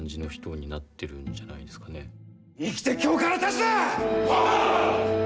生きて京から出すな！